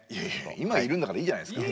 今いるんだからいいじゃないですか。